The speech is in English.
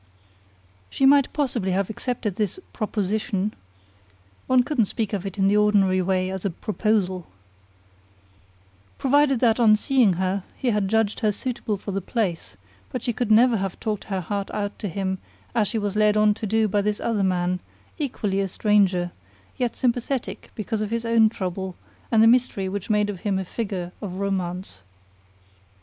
She might possibly have accepted his "proposition" (one couldn't speak of it in the ordinary way as a "proposal"), provided that, on seeing her, he had judged her suitable for the place; but she could never have talked her heart out to him as she was led on to do by this other man, equally a stranger, yet sympathetic because of his own trouble and the mystery which made of him a figure of romance.